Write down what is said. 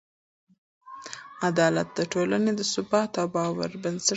عدالت د ټولنې د ثبات او باور بنسټ جوړوي.